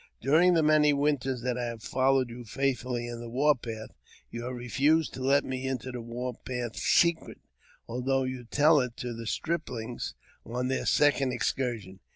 During the many winters that I have followed you faithfully in the war path, you have refused to let me into the war path secret, although you tell it to striplings on their second excursion.